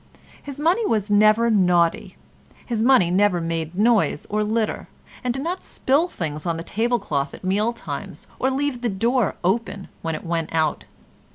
His money was never naughty; his money never made noise or litter, and did not spill things on the tablecloth at meal times, or leave the door open when it went out.